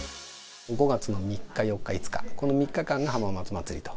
５月の３日、４日、５日、この３日間が浜松まつりと。